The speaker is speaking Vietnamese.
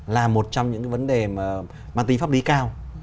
là một trong những vấn đề mang tính pháp lý cao